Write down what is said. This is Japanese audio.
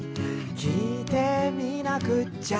「きいてみなくっちゃ」